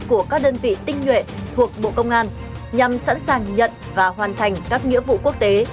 của các đơn vị tinh nhuệ thuộc bộ công an nhằm sẵn sàng nhận và hoàn thành các nghĩa vụ quốc tế